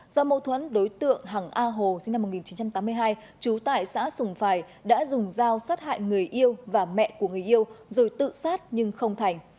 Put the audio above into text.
do mâu thuẫn đối tượng hằng a hồ sinh năm một nghìn chín trăm tám mươi hai trú tại xã sùng phài đã dùng dao sát hại người yêu và mẹ của người yêu rồi tự sát nhưng không thành